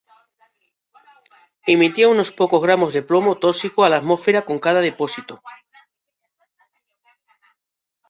Emitía unos pocos gramos de plomo tóxico a la atmósfera con cada depósito.